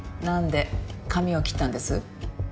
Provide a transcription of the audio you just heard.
なんで髪を切ったんです？